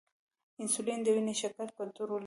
انسولین د وینې شکر کنټرولوي